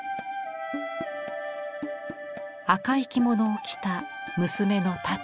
赤い着物を着た娘の田鶴。